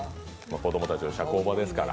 子供たちの社交場ですから。